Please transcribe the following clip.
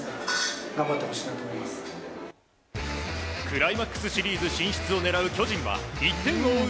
クライマックスシリーズ進出を狙う巨人は１点を追う